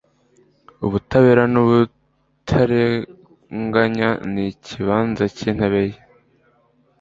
ubutabera n’ubutarenganya ni ikibanza cy’intebe ye